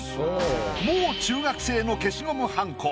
もう中学生の消しゴムはんこ